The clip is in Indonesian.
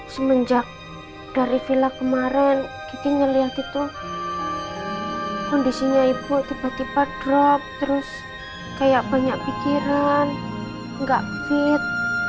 semenjak dari villa kemarin kita ngeliat itu kondisinya ibu tiba tiba drop terus kayak banyak pikiran nggak fit